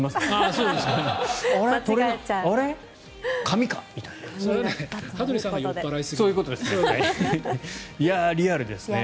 そういうことですね。